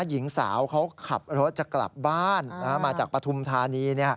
หญิงสาวเขาขับรถจะกลับบ้านมาจากปฐุมธานี